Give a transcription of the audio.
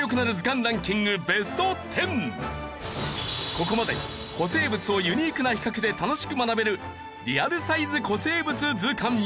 ここまで古生物をユニークな比較で楽しく学べる『リアルサイズ古生物図鑑』や。